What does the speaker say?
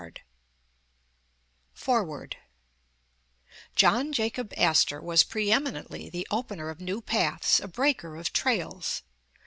L^ FOREWORTt John Jacob Astor was pre eminently the opener of new paths, a breaker of trails.